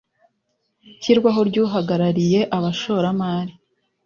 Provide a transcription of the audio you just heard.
ishyirwaho ry’uhagarariye abashoramari